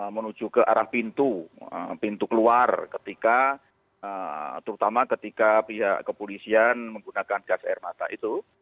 menuju ke arah pintu pintu keluar ketika terutama ketika pihak kepolisian menggunakan gas air mata itu